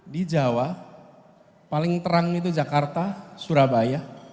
di jawa paling terang itu jakarta surabaya